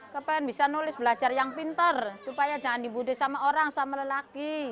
kepain bisa nulis belajar yang pinter supaya jangan diboleh sama orang sama lelaki